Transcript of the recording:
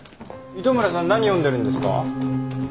糸村さん何読んでるんですか？